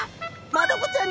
マダコちゃん！